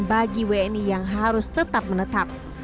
bagi wni yang harus tetap menetap